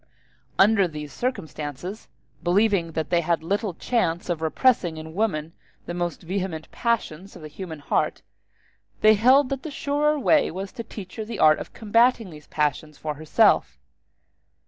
Under these circumstances, believing that they had little chance of repressing in woman the most vehement passions of the human heart, they held that the surer way was to teach her the art of combating those passions for herself.